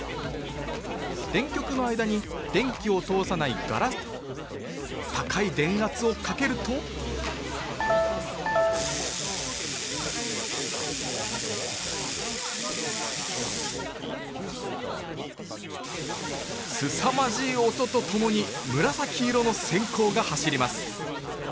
電極の間に電気を通さないガラスを挟み高い電圧をかけるとすさまじい音と共に紫色の閃光が走ります